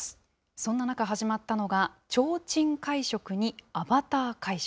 そんな中、始まったのが、ちょうちん会食にアバター会食。